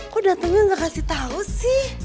kok datangnya gak kasih tau sih